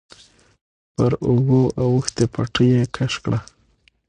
په اوږو اوښتې پټۍ يې کش کړه.